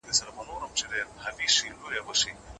کور د دښمنانو به لمبې او توپان وویني